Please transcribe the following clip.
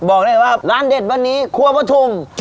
บอกเลยว่าร้านเด็ดวันนี้ครัวประทุม